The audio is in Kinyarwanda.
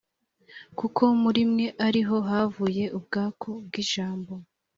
kuko muri mwe ari ho havuye ubwaku bw ijambo